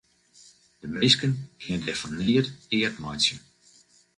De minsken kinne dêr fan neat eat meitsje.